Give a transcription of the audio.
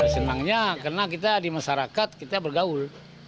senangnya karena kita di masyarakat kita bergaul